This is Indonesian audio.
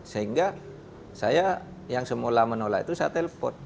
sehingga saya yang semula menolak itu saya telpon